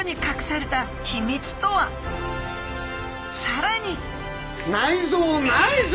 さらに！